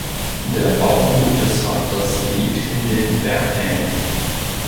Der Bauernhof des Vaters liegt in den Berghängen.